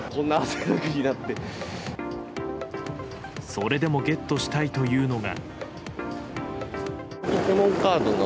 それでもゲットしたいというのが。